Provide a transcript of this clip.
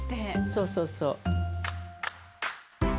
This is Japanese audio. そうそうそう。